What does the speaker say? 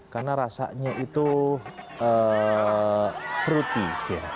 karena rasanya itu fruity